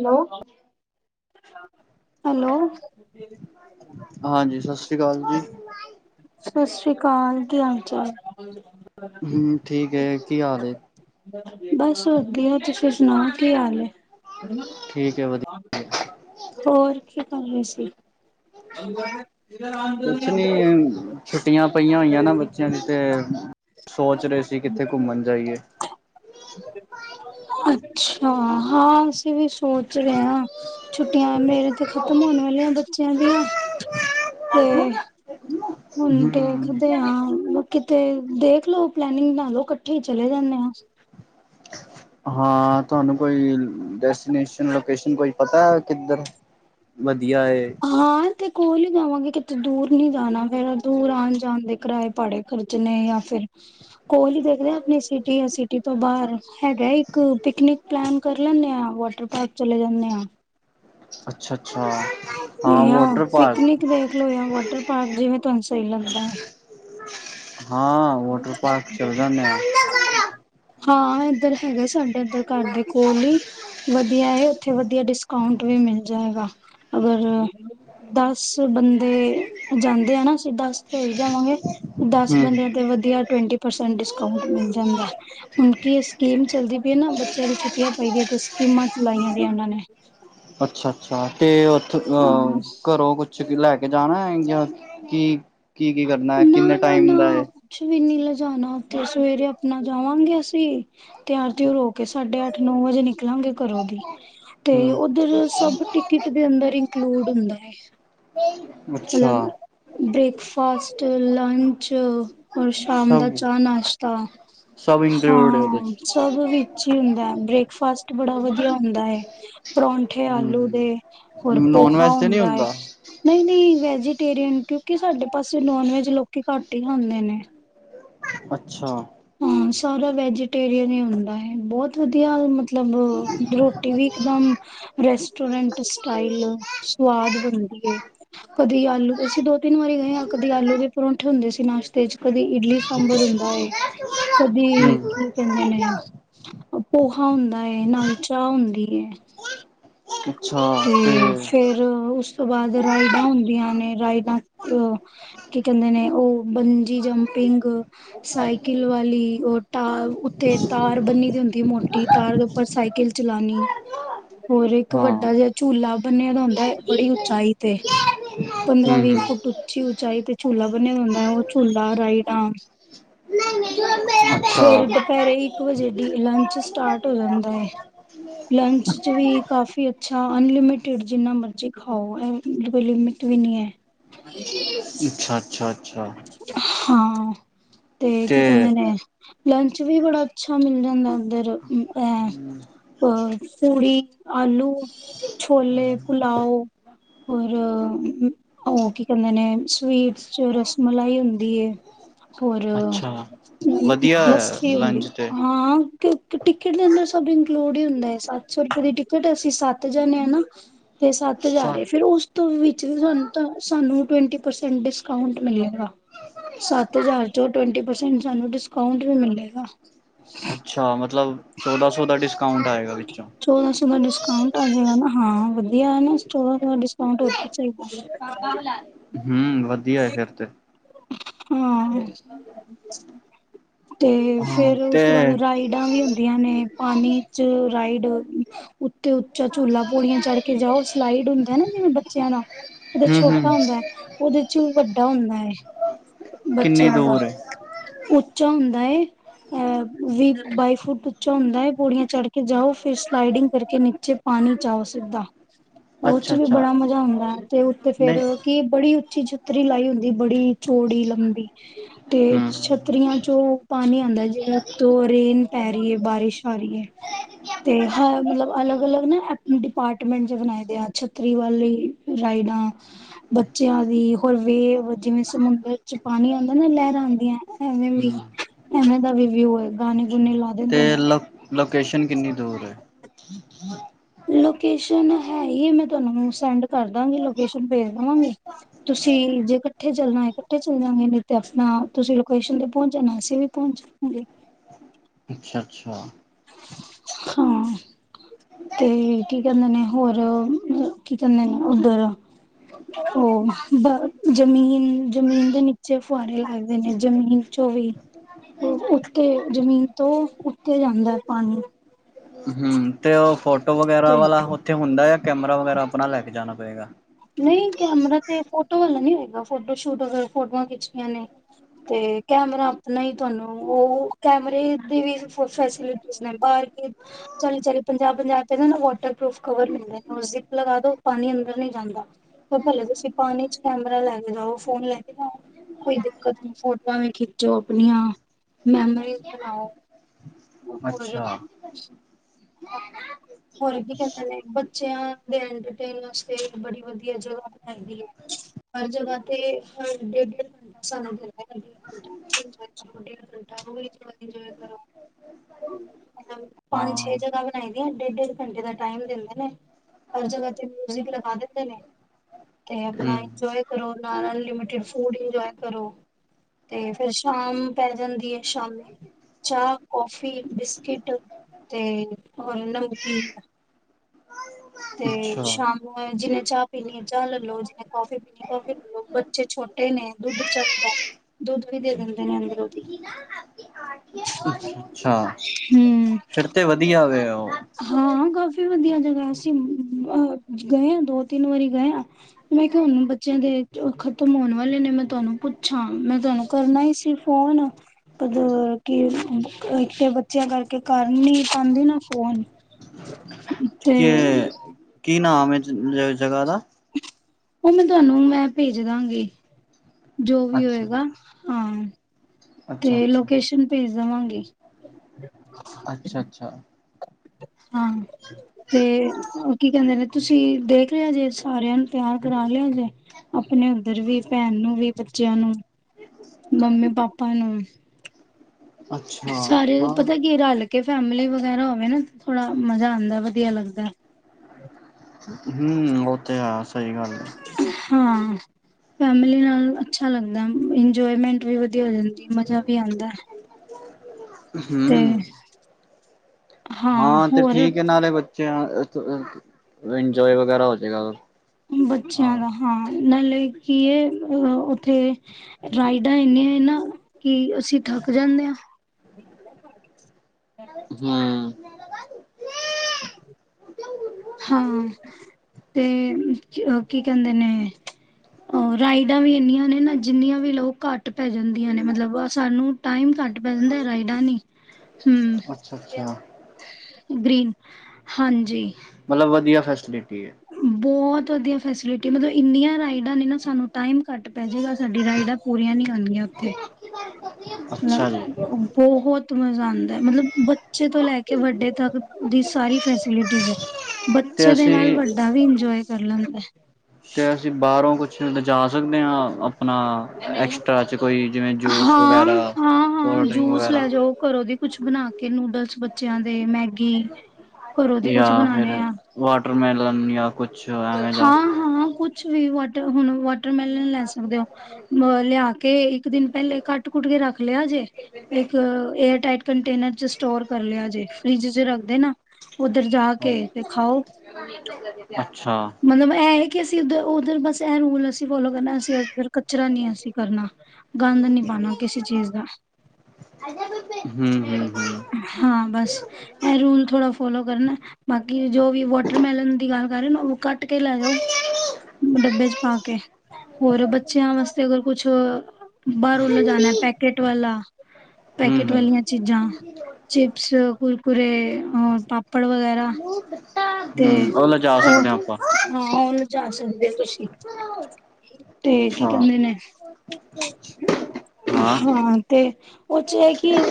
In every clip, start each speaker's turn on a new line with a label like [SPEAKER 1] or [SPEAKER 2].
[SPEAKER 1] Hello! Hello!
[SPEAKER 2] ਹਾਂਜੀ ਸਤਿ ਸ਼੍ਰੀ ਅਕਾਲ ਜੀ
[SPEAKER 1] ਸਤਿ ਸ੍ਰੀ ਅਕਾਲ, ਕੀ ਹਾਲ ਚਾਲ?
[SPEAKER 2] ਹੂੰ, ਠੀਕ ਹੈ ਕੀ ਹਾਲ ਏ?
[SPEAKER 1] ਬਸ ਵਧੀਆ, ਤੁਸੀਂ ਸੁਣਾਓ, ਕੀ ਹਾਲ ਹੈ? ਹੂੰ
[SPEAKER 2] ਠੀਕ ਹੈ ਵਧੀਆ
[SPEAKER 1] [unintelligible] ਹੋਰ ਕੀ ਕਰ ਰਹੇ ਸੀ? ਜ [inaudible]
[SPEAKER 2] ਕੁਛ ਨੀ, ਛੁੱਟੀਆਂ ਪਈਆਂ ਹੋਈਆਂ ਨਾ ਬੱਚਿਆਂ ਦੀ ਤੇ ਸੋਚ ਰਹੇ ਸੀ, ਕਿੱਥੇ ਘੁੰਮਣ ਜਾਈਏ?
[SPEAKER 1] ਅੱਛਾ! ਹਾਂ ਅਸੀਂ ਵੀ ਸੋਚ ਰਹੇ ਆ ਛੁੱਟੀਆਂ ਮੇਰੇ ਤੇ ਖ਼ਤਮ ਹੋਣ ਵਾਲੀਆਂ ਬੱਚਿਆਂ ਦੀਆਂ। ਤੇ ਹੁਣ
[SPEAKER 2] ਹੂੰ
[SPEAKER 1] ਦੇਖਦੇ ਹਾਂ। ਕਿਤੇ ਦੇਖ ਲਓ ਪਲੈਨਿੰਗ ਬਨਾਲੋਂ ਕੱਠੇ ਹੀ ਚਲੇ ਜਾਂਦੇ ਹਾਂ।
[SPEAKER 2] ਹਾਂ, ਤੁਹਾਨੂੰ ਕੋਈ ਡੈਸਟਨੇਸ਼ਨ, ਲੋਕੇਸ਼ਨ ਕੋਈ ਪਤਾ ਕਿੱਧਰ? ਵਧੀਆ ਏ।
[SPEAKER 1] ਹਾਂ, ਇਥੇ ਕੋਲ ਹੀ ਜਾਵਾਂਗੇ ਕਿਤੇ ਦੂਰ ਨੀ ਜਾਣਾ ਫੇਰ ਦੂਰ ਆਣ-ਜਾਣ ਦੇ ਕਿਰਾਏ ਭਾਣੇ। ਖਰਚ ਨੇ ਜਾਂ ਫਿਰ ਕੋਲ ਹੀ ਦੇਖਦੇ ਆ ਆਪਣੀ ਸਿਟੀ ਜਾ ਸਿਟੀ ਤੋਂ ਬਾਹਰ, ਹੈਗਾ ਇੱਕ ਪਿਕਨਿਕ ਪਲੈਨ ਕਰ ਲੈਂਨੇ ਆ, ਵਾਟਰ ਪਾਰਕ ਚਲੇ ਜਾਂਨੇ ਆ।
[SPEAKER 2] ਅਛ ਅੱਛਾ-ਅੱਛਾ!
[SPEAKER 1] ਹੂੰ ਹਾ, ਪਿਕਨਿਕ ਵੇਖ ਲੋੋ, ਜਾਂ ਵਾਟਰ ਪਾਰਕ, ਜਿਵੇਂ ਤੁਹਾਨੂੰ ਸਹੀ ਲੱਗਦਾ ਹੈ।
[SPEAKER 2] ਹਾਂ, ਵਾਟਰ ਪਾਰਕ ਚੱਲ ਜਾਂਦੇ ਆ।
[SPEAKER 1] ਹਾਂ, ਇੱਧਰ ਹੈਗਾ ਸਾਡੇ ਇੱਧਰ ਘਰ ਦੇ ਕੋਲ ਹੀ। ਵਧੀਆ ਏ ਉੱਥੇ ਵਧੀਆ ਡਿਸਕਾਊਂਟ ਵੀ ਮਿਲ ਜਾਏਗਾ, ਅਗਰ ਦੱਸ ਬੰਦੇ ਜਾਂਦੇ ਆਨਾ, ਅਸੀਂ ਦੱਸ ਤੇ ਹੋ ਹੀ ਜਾਵਾਂਗੇ ਦੱਸ
[SPEAKER 2] ਹੂੰ
[SPEAKER 1] ਬੰਦੇ ਤੇ ਵਧੀਆ ਟਵੰਟੀ ਪਰਸੈਂਟ ਡਿਸਕਾਊਂਟ ਮਿਲ ਜਾਂਦਾ, ਹੁਣ ਕੀਂ ਏ ਸਕੀਮ ਚੱਲਦੀ ਪਈ ਏਨਾ, ਬੱਚਿਆਂ ਦੀ ਛੁੱਟੀਆਂ ਪੈਦੀਆਂ ਤੇ, ਸਕੀਮਾਂ ਚਲਾਈਆਂ ਦੇ ਉਹਨਾਂ ਨੇ।
[SPEAKER 2] ਅੱਛਾ-ਅੱਛਾ, ਤੇ ਉੱਥੇ ਅਹ
[SPEAKER 1] ਹਾਂ
[SPEAKER 2] ਘਰੋਂ ਕੁਛ ਕੁਛ ਲੈ ਕੇ ਜਾਣਾ ਹੈ ਜਾਂ ਕੀ-ਕੀ-ਕੀ ਕਰਨਾ ਹੈ, ਕਿੰਨੇ ਟਾਈਮ ਦਾ ਹੈ?
[SPEAKER 1] ਕੁੱਛ ਵੀ ਨਹੀਂ ਲਿਜਾਣਾ ਓਥੇ, ਸਵੇਰੇ ਆਪਣਾ ਜਾਵਾਂਗੇ ਅਸੀਂ ਤਿਆਰ-ਤਯੂਰ ਹੋਕ ਸਾਢੇ ਅੱਠ-ਨੌ ਵਜੇ ਨਿਕਲਾਂਗੇ ਘਰੋਂ ਦੀ। ਤੇ
[SPEAKER 2] ਹੂੰ
[SPEAKER 1] ਉਧਰ ਸਬ ਟਿਕਟ ਦੇ ਅੰਦਰ ਇੰਨਕਲੂਡ ਹੁੰਦਾ ਹੈ।
[SPEAKER 2] ਨਹੀਂ।
[SPEAKER 1] ਮਤਲਬ ਬ੍ਰੇਕਫਾਸਟ, ਲੰਚ ਹੋਰ ਸ਼ਾਮ ਦਾ
[SPEAKER 2] ਸਭ
[SPEAKER 1] ਚਾਹ-ਨਾਸ਼ਤਾ
[SPEAKER 2] ਸਭ ਇੰਕਲੂਡ ਹੈ ਉਹਦੇ
[SPEAKER 1] ਹਾਂ।
[SPEAKER 2] ਚ
[SPEAKER 1] ਸਭ ਵਿੱਚ ਹੀ ਹੁੰਦਾ ਹੈ, ਬ੍ਰੇਕਫਾਸਟ ਬੜਾ ਵਧੀਆ ਹੁੰਦਾ ਹੈ। ਪਰੌਠੇ ਆਲੂ
[SPEAKER 2] ਹੂੰ
[SPEAKER 1] ਦੇ ਹੋਰ
[SPEAKER 2] ਨੋਨ
[SPEAKER 1] ਪੋਹਾ
[SPEAKER 2] ਵੈਜ ਤੇ ਨਹੀਂ
[SPEAKER 1] ਹੁੰਦਾ ਹੈ। ਵਿਚ ਵੈਜੀਟੇਰੀਅਨ, ਕਿਉਂਕਿ ਸਾਡੇ ਪਾਸੇ ਨੋਨ ਵੈਜ ਲੋਕੀ ਘੱਟ ਹੀ ਖਾਂਦੇ ਨੇ।
[SPEAKER 2] ਅੱਛਾ।
[SPEAKER 1] ਹਾਂ, ਸਾਰਾ ਵੈਜੀਟੇਰੀਅਨ ਹੀ ਹੁੰਦਾ ਹੈ, ਬਹੁਤ ਵਧੀਆ ਮਤਲਬ ਮਤਲਬ, ਰੋਟੀ ਵੀ ਇਕਦਮ ਰੈਸਟੋਰੈਂਟ ਸਟਾਈਲ, ਸਵਾਦ ਬਣਦੀ ਏ। ਕਦੀ ਆਲੂ ਅਸੀਂ ਦੋ-ਤਿੰਨ ਵਾਰੀ ਗਏ ਹਾਂ, ਕਦੀ ਆਲੂ ਦੇ ਪਰੌਂਠੇ ਹੁੰਦੇ ਸੀ, ਨਾਸ਼ਤੇ 'ਚ ਕਦੀ ਇਡਲੀ, ਸਾਂਬਰ ਹੁੰਦਾ ਹੈ, ਕਦੀ
[SPEAKER 2] ਹੂੰ
[SPEAKER 1] ਕੀ ਕਹਿੰਦੇ ਨੇ ਪੋਹਾ ਹੁੰਦਾ ਏ, ਨਾਲੇ ਚਾਹ ਹੁੰਦੀ ਹੈ। ਤੇ ਫੇਰ ਉਸ ਤੋਂ ਬਾਅਦ ਰਾਈਡਾਂ ਹੁੰਦੀਆਂ ਨੇ, ਰਾਈਡਾਂ ਅ ਕੀ ਕਹਿੰਦੇ ਨੇ, ਉਹ ਬੰਜੀ ਜੰਪਿੰਗ ਸਾਈਕਲ ਵਾਲੀ, ਉਹ ਟਾਰ ਉੱਥੇ ਤਾਰ ਬੰਨੀ ਦੀ ਹੁੰਦੀ ਮੋਟੀ ਤਾਰ ਦੇ ਉੱਪਰ ਸਾਈਕਲ ਚਲਾਣੀ, ਹੋਰ ਇ
[SPEAKER 2] ਹਾਂ
[SPEAKER 1] ਵੱਡਾ ਜਿਹਾ ਝੂਲਾ ਬੰਨਿਆ ਹੁੰਦਾ, ਬੜੀ ਉਚਾਈ ਤੇ। ਪੰਦਰਾਂ-ਵੀਹ
[SPEAKER 2] ਹੂੰ-ਹੂੰ
[SPEAKER 1] ਫੁੱਟ ਉੱਚੀ ਉਚਾਈ ਤੇ, ਝੂਲਾ ਬਣਿਆ ਹੁੰਦਾ- ਉਹ ਝੂਲਾ, ਰਾਈਟ ਆਮ ਫੇਰ ਦੁਪਹਿਰੇ ਇੱਕ ਵਜੇ ਦੀ, ਲੰਚ ਸਟਾਰਟ ਹੋ ਜਾਂਦਾ ਹੈ। ਲੰਚ 'ਚ ਵੀ ਕਾਫੀ ਫੇਰ ਅੱਛਾ, ਅਨਲਮਟਿਡ ਜਿੰਨਾ ਮਰਜੀ ਖਾਓ, ਕੋ ਲਿਮਿਟ ਵੀ ਨ ਹੈ।
[SPEAKER 2] ਅੱਛਾ, ਅੱਛਾ, ਅੱਛਾ।
[SPEAKER 1] ਹਾਂ, ਤੇ ਕੀ ਕਹਿੰਦੇ ਨੇ ਲੰਚ ਵੀ ਬੜਾ ਅੱਛਾ ਮਿਲ ਜਾਂਦਾ, ਇੱਧਰ ਅ ਅ ਪੂੜੀ, ਆਲੂ, ਛੋਲੇ, ਪੁਲਾਓ ਔ ਨੇ ਸਵੀਟ 'ਚ ਮਲਾਈ ਹੁੰਦੀ ਏ। ਹੋਰ
[SPEAKER 2] ਅੱਛਾ ਵਧੀਆ ਹੈ
[SPEAKER 1] ਲੱਸੀ ਹੁੰਦੀ,
[SPEAKER 2] ਲੰਚ ਤੇ
[SPEAKER 1] ਹਾਂ। ਟਿਕਟ ਦੇ ਅੰਦਰ ਸਭ ਇੰਕਲੂਡ ਹੀ ਹੁੰਦਾ ਹੈ, ਸੱਤ ਸੌ ਰੁਪਏ ਦੀ ਟਿਕਟ, ਅਸੀਂ ਸੱਤ ਜਾਣੇ ਹ ਨਾ। ਤੇ ਸੱਤ
[SPEAKER 2] ਅੱਛਾ
[SPEAKER 1] ਹਜ਼ਾਰ ਫੇਰ ਉਸ ਤੋਂ ਵਿੱਚ ਵੀ ਨੂੰ ਸਾਨੂੰ, ਟਵੰਟੀ ਪਰਸੈਂਟ ਡਿਸਕਾਊਂਟ ਮਿਲਿਆ। ਸੱਤ ਹਜ਼ਾਰ 'ਚੋਂ ਟਵੰਟੀ ਪਰਸੈਂਟ ਸਾਨੂੰ, ਡਿਸਕਾਊਂਟ ਵੀ ਮਿਲੇਗਾ।
[SPEAKER 2] ਅੱਛਾ, ਮਤਲਬ ਚੌਦਾਂ ਸੌ ਦਾ ਡਿਸਕਾਊਂਟ ਆਏਗਾ ਵਿੱਚੋਂ?
[SPEAKER 1] ਚੋਦਾਂ ਸੋ ਦਾ ਡਿਸਕਾਉਂਟ ਆ ਜੇ ਗਾ, ਹਾਂ ਵਧੀਆ ਚੋਦਾਂ ਸੋ ਦਾ ਡਿਸਕਾਉਂਟ ਡ
[SPEAKER 2] ਹਮ ਵਧੀਆ, ਫੇਰ ਤੇ-
[SPEAKER 1] ਹਾਂ- ਤੇ
[SPEAKER 2] ਹਾਂ
[SPEAKER 1] ਫੇਰ ਉਸ
[SPEAKER 2] ਤੇ
[SPEAKER 1] ਤੋਂ ਬਾਅਦ, ਰਾਈਡਾਂ ਵੀ ਹੁੰਦੀਆਂ ਨੇ। ਪਾਣੀ 'ਚ ਰਾਈਡ, ਉੱਤੇ ਝੂਲਾ ਪੋਲੀਆਂ ਚੜ੍ਹ ਕੇ ਜਾਓ ਸਲਾਈਡ ਹੁੰਦਾ ਨਾ, ਜਿਵੇਂ ਬੱਚਿਆਂ ਦਾ ਉਹਦੇ
[SPEAKER 2] ਹੂੰ ਹੂੰ
[SPEAKER 1] ਛੋਟਾ ਹੁੰਦਾ ਹੈ ਉਹਦੇ 'ਚ ਵੱਡਾ ਹੁੰਦਾ ਹੈ।
[SPEAKER 2] ਕਿੰਨੀ
[SPEAKER 1] ਬੱਚਿਆਂ ਦਾ,
[SPEAKER 2] ਦੂਰ ਹੈ
[SPEAKER 1] ਉੱਚਾ ਹੁੰਦਾ ਹੈ। ਅ ਵੀਹ ਬਾਈ ਫੁੱਟ ਉੱਚਾ ਹੁੰਦਾ ਹੈ ਪੌੜੀਆਂ ਚੜ ਕੇ ਜਾਓ, ਫੇਰ ਸਲਾਈਡਿੰਗ ਕਰਕੇ ਨੀਚੇ ਪਾਣੀ 'ਚ ਆਓ ਸਿੱਧਾ। ਉਹ
[SPEAKER 2] ਅੱਛਾ
[SPEAKER 1] 'ਚ ਵੀ
[SPEAKER 2] ਅੱਛਾ
[SPEAKER 1] ਬੜਾ ਮਜ਼ਾ ਆਉਂਦਾ ਹੈ, ਤੇ ਉੱਥੇ ਫੇਰ
[SPEAKER 2] ਨਹੀਂ
[SPEAKER 1] ਕੀ ਬੜੀ ਉੱਚੀ ਛੱਤਰੀ ਲਾਈ ਹੁੰਦੀ, ਬੜੀ ਚੌੜੀ, ਲੰਬੀ, ਤੇ
[SPEAKER 2] ਹੂੰ
[SPEAKER 1] ਛ ਤਰੀਆਂ 'ਚੋਂ ਪਾਣੀ ਆਉਂਦਾ, ਜਿ ਰੇਨ ਪੈ ਰਹੀ ਹੈ, ਬਾਰਿਸ਼ ਆ ਰਹੀ ਹੈ। ਤੇ ਹ ਮਤਲਬ ਅਲੱਗ-ਅਲੱਗ ਨਾ, ਡਿਪਾਰਟਮੈਂਟ ਬਣਾਏ ਦੇ ਆ, ਛੱਤਰੀ ਵਾਲੇ ਰਾਈਡਾਂ, ਬੱਚਿਆਂ ਦੀ ਹੋਰ ਵੇ ਜਿਵੇਂ ਸਮੁੰਦਰ ਚ, ਪਾਣੀ ਆਉਂਦਾ ਨਾ, ਲਹਿਰਾਂ ਆਉਂਦੀਆਂ ਐਵੇਂ ਵੀ
[SPEAKER 2] ਹੂੰ,
[SPEAKER 1] ਇਹਨਾਂ ਦਾ ਵੀ ਵਿਊ ਹੈ, ਗਾਣੇ ਗੁਣੇ
[SPEAKER 2] ਅੱਛਾ।
[SPEAKER 1] ਲਾ
[SPEAKER 2] ਤੇ
[SPEAKER 1] ਦਿੰਦੇ ਨੇ
[SPEAKER 2] ਲੋ ਲੋਕੇਸ਼ਨ ਕਿੰਨੀ ਦੂਰ ਏ ਹਠ ਹ [inaudible]
[SPEAKER 1] ਲੋਕੇਸ਼ਨ ਹੈ ਈ ਏ ਮੈਂ ਤਾਨੂੰ ਸੈਂਡ ਕਰ ਦਾਂਗੀ ਲੋਕੇਸ਼ਨ, ਪੈਜ ਦੇਵਾਂਗੀ ਤੁਸੀਂ ਜੇ ਕੱਠੇ ਚੱਲਣਾ, ਕੱਠੇ ਚੱਲ, ਜਾਂਗੇ ਨਈ ਤੇ ਆਪਣਾ ਤੁਸੀਂ ਲੋਕੇਸ਼ਨ ਤੇ ਪਹੁੰਚ ਜਾਣਾ ਅਸੀਂ ਵੀ ਪਹੁੰਚ ਹਾਂਜੀ [unintelligible]
[SPEAKER 2] ਅੱਛਾ-ਅੱਛਾ
[SPEAKER 1] ਹਾਂ ਤੇ ਕੀ ਕਹਿੰਦੇ ਨੇ ਹੋਰ ਕੀ ਕੰਹਦੇ ਨੇ ਉੱਧਰ ਉਹ ਬ ਜ਼ਮੀਨ-ਜਮੀਨ ਦੇ ਨੀਚੇ ਫੁਆਰੇ ਲੱਗਦੇ ਨੇ ਜ਼ਮੀਨ ਚੋਂ ਵੀ ਉਹ ਉੱਤੇ ਜਮੀਨ ਤੋਂ ਉੱਤੇ ਜਾਂਦਾ ਪਾਣੀ
[SPEAKER 2] ਹੂਮ ਤੇ ਫੋਟੋ ਵਗੈਰਾ
[SPEAKER 1] ਤੇ
[SPEAKER 2] ਵਾਲਾ ਇੱਥੇ ਹੁੰਦਾ ਆ ਕੈਮਰਾ ਵਗੈਰਾ, ਆਪਣਾ ਲੈ ਕੇ ਜਾਣਾ ਪਏਗਾ
[SPEAKER 1] ਨਈ ਕੈਮਰਾ ਤੇ ਫੋਟੋ ਵਾਲਾ ਨੀ ਹੋਏਗਾ, ਫੋਟੋ ਸ਼ੂਟ ਫੋਟੋਆਂ ਖਿੱਚਣੀਆਂ ਨੇ ਤੇ ਕੈਮਰਾ ਆਪਣਾ ਈ ਤੁਆਨੂੰ, ਉਹ ਕੈਮਰੇ ਦੀ ਵੀ ਫੈਸਿਲ ਛ ਪਾਰ ਕੇ [unintelligible] ਚਾਲੀ ਚਾਲੀ ਪੰਜਾ ਪੰਜਾ ਤੇ ਨਾ ਵਾਟਰਪੂਫ ਕਵਰ ਮਿਲਦੇ ਨੇ, ਜੀਪ ਲਗਾ ਦੋ ਪਾਣੀ ਅੰਦਰ ਨੀ ਜਾਂਦਾ ਤੇ ਪਹਿਲੇ ਤੁਸੀਂ ਪਾਣੀ ਚ ਕੈਮਰਾ ਲੈ ਕੇ ਜਾਓ ਫੋਨ ਲੈ ਕੋਈ ਦਿੱਕਤ ਨੀ ਫੋਟੋਆਂ ਵੀ ਖਿੱਚੋ, ਆਪਣੀਆਂ ਮੈਮੋਰੀਜ਼ ਬਣਾਓ ਹੋਰ
[SPEAKER 2] ਅੱਛਾ
[SPEAKER 1] ਹਾਂ ਹੋਰ ਕੀ ਕਹਿੰਦੇ ਨੇ, ਬੱਚਿਆਂ ਦੇ ਐਂਟਰਟੇਨ ਬੜੀ ਵਧੀਆ ਜਗ੍ਹਾ ਬਣਾਈਦੀ ਹੈ, ਹਰ ਜਗ੍ਹਾ ਤੇ ਹ ਡੇਢ-ਡੇਢ ਘਟੇ ਸਾਨੂੰ ਡ ਘੰਟਾ ਕਰੋ ਡੇ ਘੰਟਾ ਉਹਹੀ ਇੰਜੋਏ ਕਰੋ [unintelligible] ਮਤਲਬ ਪੰਜ ਛੇ
[SPEAKER 2] ਹਾਂ
[SPEAKER 1] ਜਗਾ ਬਣਾਈ ਦੀਆਂ, ਡੇਢੇ ਘੰਟੇ ਦਾ ਟਾਈਮ ਦਿੰਦੇ ਨੇ ਹਰ ਜਗ੍ਹਾ ਤੇ ਮਿਊਜਿਕ ਲਗਾ ਦਿੰਦੇ ਨੇ, ਤੇ ਆਪਣਾ
[SPEAKER 2] ਹੂੰ
[SPEAKER 1] ਇੰਜੋਆਏ ਕਰੋ ਨਾਲ, ਅਨਲਿਮਟਡ ਫੂਡ ਇੰਜੋਆਏ ਕਰੋ। ਤੇ ਫੇਰ ਸ਼ਾਮ ਪੈ ਜਾਂਦੀ ਏ ਸ਼ਾਮ ਚਾਹ, ਕੌਫੀ, ਬਿਸਕਿਟ ਤੇ ਹੋਰ ਨਮਕੀਨ ਤੇ
[SPEAKER 2] ਅੱਛਾ।
[SPEAKER 1] ਸ਼ਾਮ ਨੂੰ, ਜਿਨੇ ਚਾਹ ਪੀਣੀ ਆ, ਚਾਹ ਲੈਲੋ ਜਿਨੇ ਕਾਫੀ ਪੀ ਤਾਂ ਫਿਰ ਬੱਚੇ ਛੋਟੇ ਨੇ, ਦੁੱਧ ਚਾਹੀਦਾ, ਦੁੱਧ ਵੀ ਦੇ ਦਿੰਦੇ ਨੇ, ਅੰਦਰੋਂ ਵੀ
[SPEAKER 2] ਅੱਛਾ,
[SPEAKER 1] ਹੂੰ
[SPEAKER 2] ਫੀਰ ਤੇ ਵਧੀਆ ਵੇ ਉਹ
[SPEAKER 1] ਹਾਂ, ਕਾਫੀ ਵਧੀਆ ਜਗ੍ਹਾ, ਅਸੀਂ ਅ ਗਏ ਆ, ਦੋ, ਤਿੰਨ ਵਾਰੀ ਗਏ ਆ ਤੇ ਮੈਂ ਕਿਆ ਹੂੰਨ ਬੱਚਿਆਂ ਦੇ ਖ਼ਤਮ ਹੋਣ ਵਾਲੇ ਨੇ, ਮੈਂ ਤਾਨੂੰ ਪੁੱਛਾਂ, ਮੈਂ ਤਾਨੂੰ ਕਰਨਾ ਈ ਸੀ ਫੋਨ ਕ ਕੀ ਇੱਕੇ ਬੱਚਿਆਂ ਕਰਕੇ ਕਰਨ ਨੀ ਪਾਂਦੀ ਨਾ ਫੋਨ ਤੇ
[SPEAKER 2] ਕੇ ਕੀ ਨਾਮ ਏ ਜਗ੍ਹਾ ਦਾ
[SPEAKER 1] ਉਹ ਮੈਂ ਤਾਨੂੰ ਮੈਂ ਪੇਜ ਦਾਂਗੀ, ਜੋ ਵੀ
[SPEAKER 2] ਅੱਛਾ
[SPEAKER 1] ਹੋਏਗਾ ਹਾਂ
[SPEAKER 2] ਅੱਛਾ ਅੱਛਾ
[SPEAKER 1] ਤੇ ਲੋਕੇਸ਼ਨ ਭੇਜ ਦਵਾਂਗੀ।
[SPEAKER 2] ਅੱਛਾ-ਅੱਛਾ।
[SPEAKER 1] ਹਾਂ, ਤੇ ਹੁੰਨ ਕੀ ਕਹਿੰਦੇ ਨੇ ਤੁਸੀਂ ਦੇਖ ਲਿਆ ਜੇ, ਸਾਰਿਆਂ ਨੂੰ ਤਿਆਰ ਕਰਾ ਲਿਆ ਜੇ। ਆਪਣੇ ਉੱਧਰ ਵੀ ਪੈਣ ਨੂੰ ਵੀ, ਬੱਚਿਆਂ ਨੂੰ, ਮੰਮੀ ਪਾਪਾ ਨੂੰ
[SPEAKER 2] ਅੱਛਾ
[SPEAKER 1] ਸਾਰੇ
[SPEAKER 2] ਹਾਂ
[SPEAKER 1] ਪਤਾ ਕੀ ਰਲ ਕੇ, ਫੈਮਿਲੀ ਵਗੈਰਾ ਹੋਵੇ ਨਾ, ਥੋੜਾ ਮਜ਼ਾ ਆਂਦਾ ਵਧੀਆ ਲੱਗਦਾ
[SPEAKER 2] ਹੂੰ ਓ ਤੇ ਹੈ ਸਈ ਗੱਲ ਏ
[SPEAKER 1] ਹਾਂ ਫੈਮਲੀ ਨਾਲ ਅੱਛਾ ਲੱਗਦਾ ਇੰਜੋਏਮੈਂਟ ਵੀ ਵਦੀਆ ਹੋ ਜਾਂਦੀ ਮਜ਼ਾ ਵੀ ਆਂਦਾ
[SPEAKER 2] ਹੂੰ ਹਾਂ ਤੇ ਠੀਕ ਏ ਨਾਲੇ ਬੱਚੇ ਇੰਜੋਏ ਵਗੈਰਾ ਹੋਜੇਗਾ
[SPEAKER 1] ਬੱਚਿਆਂ ਦਾ ਹਾਂ ਨਾਲੇ ਕੀ ਏ ਓਥੇ ਰਾਈਡਾਂ ਏਨੀਆਂ ਨੇ ਨਾ ਕੀ ਅਸੀਂ ਥੱਕ ਜਾਂਨੇ ਆਂ।
[SPEAKER 2] ਹੂੰ।
[SPEAKER 1] ਹਾਂ ਤੇ ਕੀ ਕੈਂਦੇ ਨੇ ਰਾਈਡਾਂ ਵੀ ਏਨੀਆਂ ਨੇ ਨਾ ਜਿੰਨੀਆਂ ਵੀ ਲਓ ਘੱਟ ਘੱਟ ਪੈ ਜਾਂਦੀਆਂ ਨੇ ਮਤਲਬ ਸਾਨੂੰ ਟਾਈਮ ਘੱਟ ਪੈ ਜਾਂਦਾ ਰਾਈਡਾਂ ਨੀ। ਹੂੰ
[SPEAKER 2] ਅੱਛਾ-ਅੱਛਾ।
[SPEAKER 1] ਗ੍ਰੀਨ, ਹਾਂਜੀ
[SPEAKER 2] ਮਤਲਬ ਵਦੀਆ ਫੈਸੀਲਿਟੀ ਏ।
[SPEAKER 1] ਬੋਤ ਵਦੀਆ ਫੈਸੀਲਿਟੀ ਆ ਮਤਲਬ ਇੰਨੀਆਂ ਰਾਈਡ- ਦਾ ਨੀ ਨਾ ਸਾਨੂੰ ਟਾਈਮ ਘੱਟ ਪੈ ਜੇਗਾ ਸਾਡੀ ਰਾਈਡਾਂ ਪੂਰੀਆਂ ਨੀ ਹੋਨਗੀਆਂ ਓਥੇ।
[SPEAKER 2] ਅੱਛਾ ਜੀ
[SPEAKER 1] ਮਤਲਬ ਬਹੋਤ ਮਜ਼ਾ ਆਂਦਾ ਮਤਲਬ ਬੱਚੇ ਤੋਂ ਲੈ ਕੇ ਵੱਡੇ ਤੱਕ ਦੀ ਸਾਰੀ ਫੈਸੀਲਿਟੀ ਐ
[SPEAKER 2] ਤੇ
[SPEAKER 1] ਬੱਚੇ ਦੇ
[SPEAKER 2] ਅਸੀਂ
[SPEAKER 1] ਨਾਲ ਵੱ ਵੀ ਇੰਜੋਆਏ ਕਰ ਲੈਂਦਾ।
[SPEAKER 2] ਜੇ ਬਾਰੋਂ ਕੁਛ ਲਿਜਾ ਸਕਦੇ ਆਂ ਆਪਨਾ ਐਕਸਟ੍ਰਰਾ ਚ ਕੋਈ ਜਿਵੇਂ ਜੂਸ
[SPEAKER 1] ਹਾਂ,
[SPEAKER 2] ਵਗੈਰਾ
[SPEAKER 1] ਹਾਂ, ਹਾਂ
[SPEAKER 2] ਕੋਲਡ ਡਰਿੰਕ
[SPEAKER 1] ਜੂਸ
[SPEAKER 2] ਵਗੈਰਾ।
[SPEAKER 1] ਲੈ ਜਾਓ ਘਰੋਂ ਦੀ ਕੁਛ ਬਨਾ ਕੇ ਨੂਡਲਜ਼ ਬੱਚਿਆਂ ਦੇ ਮੈਗੀ ਘਰੋਂ ਦੀ ਕੁਛ ਬਨਾਨੇ ਆ।
[SPEAKER 2] ਵਾਟਰ ਮੈਲਨ ਜਾਂ ਕੁਛ ਐ
[SPEAKER 1] ਹਾਂ-ਹਾਂ ਕੁਛ ਵੀ ਵਟ ਹੁਨ ਵਟ ਵਾਟਰਮੈਲਨ ਲੈ ਸਕਦੇ ਓਂ ਲੇਆ ਕੇ ਇੱਕ ਦਿਨ ਪੈਲੇ ਕੱਟ ਕੁੱਟ ਕੇ ਰੱਖ ਲੇਆ ਜੇ ਇੱਕ ਏਅਰਟਾਈਟ ਕੰਟੇਨਰ ਚ ਸਟੋਰ ਕਰ ਲਿਆ ਜੇ ਫਰਿਜ ਚ ਰੱਖ ਦੇਨਾ। ਓਦਰ ਜਾ ਕੇ ਤੇ ਖਾਓ।
[SPEAKER 2] ਅੱਛਾ।
[SPEAKER 1] ਮਤਲਬ ਐ ਐ ਕੇ ਅਸੀਂ ਉ ਓਦਰ ਬਸ ਐ ਰੂਲ ਅਸੀਂ ਫੋਲੋ ਕਰਨਾ ਅਸੀਂ ਓਦਰ ਕਚਰਾ ਨਈ ਅਸੀਂ ਕਰਨਾ। ਗੰਦ ਨੀ ਪਾਨਾ ਕਿਸੇ ਚੀਜ਼ ਦਾ।
[SPEAKER 2] ਹੂੰ-ਹੂੰ-ਹੂੰ।
[SPEAKER 1] ਹਾਂ ਬਸ ਐ ਰੂਲ ਥੋੜਾ ਫੋਲੋ ਕਰਨਾ। ਬਾਕੀ ਜੋ ਵੀ ਵਾਟਰਮੈਲਨ ਦੀ ਗੱਲ ਕਰ ਰਏਂ ਓਂ ਨਾ ਓ ਕੱਟ ਕੇ ਲੈ ਜਾਓ। ਡੱਬੇ ਚ ਪਾ ਕੇ। ਹੋਰ ਬੱਚਿਆਂ ਵਾਸਤੇ ਅਗਰ ਕੁਛ ਬਾਰੋਂ ਲਿਜਾਨਾ ਪੈਕਟ ਵਾਲਾ ਪੈਕਟ ਵਾਲੀਆਂ ਚੀਜ਼ਾਂ ਚਿਪਸ ਕੁਰਕੁਰੇ ਔਰ ਪਾਪੜ ਵਗੈਰਾ ਤੇ
[SPEAKER 2] ਹੂੰ, ਓ ਲਜਾ
[SPEAKER 1] ਉਹ
[SPEAKER 2] ਸਕਦੇ ਆਂ ਆਪਾਂ।
[SPEAKER 1] ਹਾਂ ਓ ਲਜਾ ਸਕਦੇ ਓਂ ਤੁਸੀਂ। ਤੇ ਕੀ
[SPEAKER 2] ਅੱਛਾ
[SPEAKER 1] ਕੈਂਦੇ ਨੇ ਹਾਂ ਤੇ ਓ ਚ ਏਹ ਕੀ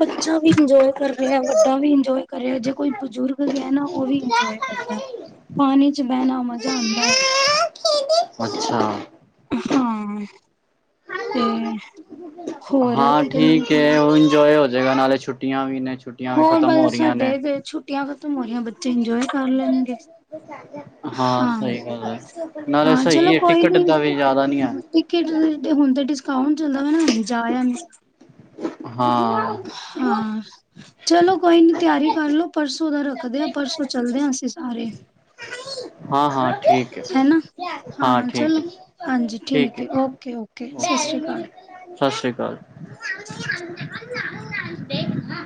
[SPEAKER 1] ਬੱਚਾ ਵੀ ਇੰਜੋਏ ਕਰ ਰਿਆ ਵੱਡਾ ਵੀ ਇੰਜੋਏ ਕਰ ਰਿਆ ਜੇ ਕੋਈ ਬਜ਼ੁਰਗ ਗੇਆ ਨਾ ਓ ਵੀ ਇੰਜੋਏ ਕਰਦਾ। ਪਾਨੀ ਚ ਬੈਨਾ ਮਜ਼ਾ ਆਂਦਾ ਐ।
[SPEAKER 2] ਅੱਛਾ।
[SPEAKER 1] ਹਾਂ, ਤੇ ਹੋਰ
[SPEAKER 2] ਹਾਂ
[SPEAKER 1] ਕੀ ਕਹਿੰਦੇ ਨੇ
[SPEAKER 2] ਠੀਕ ਏ, ਉਹ ਇੰਜੋਏ ਹੋਜੇਗਾ ਨਾਲੇ ਛੁੱਟੀਆਂ ਵੀ ਨੇ। ਛੁੱਟੀਆਂ ਵੀ
[SPEAKER 1] ਹੋਰ,
[SPEAKER 2] ਖਤਮ ਹੋ
[SPEAKER 1] ਬਸ
[SPEAKER 2] ਰਹੀਆਂ
[SPEAKER 1] ਸਾਡੇ
[SPEAKER 2] ਨੇ
[SPEAKER 1] ਤੇ ਛੁੱਟੀਆਂ ਖ਼ਤਮ ਹੋ ਰਹੀਆਂ, ਬੱਚੇ ਇੰਜੋਏ ਕਰ ਲੈਣਗੇ।
[SPEAKER 2] ਹਾਂ, ਸਹੀ ਗੱਲ ਐ ਨਾਲੇ
[SPEAKER 1] ਹਾਂ
[SPEAKER 2] ਸਹੀ
[SPEAKER 1] ਚਲੋ
[SPEAKER 2] ਏ,
[SPEAKER 1] ਕੋਈ
[SPEAKER 2] ਟਿਕਟ
[SPEAKER 1] ਨੀ
[SPEAKER 2] ਦਾ ਵੀ ਜਿਆਦਾ ਨੀ ਆ।
[SPEAKER 1] ਟਿਕਟ ਤੇ ਹੁਣ ਤਾਂ ਡਿਸਕਾੰਊਂਟ ਹੁੰਦਾ ਨਾ, ਜਾਇਆ ਨੀ
[SPEAKER 2] ਹਾਂ
[SPEAKER 1] ਹਾਂ, ਚਲੋ ਕੋਈ ਨੀ ਤਿਆਰੀ ਕਰਲੋ। ਪਰਸੋਂ ਦਾ ਰੱਖਦੇ ਆਂ, ਪਰਸੋਂ ਚੱਲਦੇ ਆਂ ਅਸੀਂ ਸਾਰੇ।
[SPEAKER 2] ਹਾਂ-ਹਾਂ, ਠੀ ਠੀਕ ਏ,
[SPEAKER 1] ਹੈਨਾ
[SPEAKER 2] ਹਾਂ ਠੀਕ
[SPEAKER 1] ਚਲੋ
[SPEAKER 2] ਏ,
[SPEAKER 1] ਹਾਂਜੀ
[SPEAKER 2] ਠੀਕ ਏ।
[SPEAKER 1] ਹੈ ਓਕੇ ਓਕੇ ਸਤਿ ਸ਼੍ਰੀ ਅਕਾਲ
[SPEAKER 2] ਸਤਿ ਸ਼੍ਰੀ ਅਕਾਲ।
[SPEAKER 1] [unintelligible] [unintelligible]